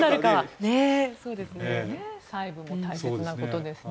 細部も大切なことですね。